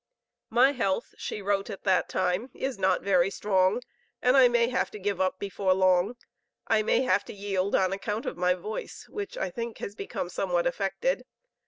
"My health," she wrote at that time, "is not very strong, and I may have to give up before long. I may have to yield on account of my voice, which I think, has become somewhat affected.